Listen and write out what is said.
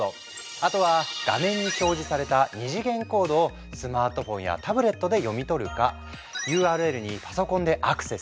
あとは画面に表示された二次元コードをスマートフォンやタブレットで読み取るかＵＲＬにパソコンでアクセス！